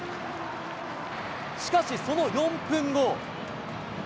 しかし、その４分後。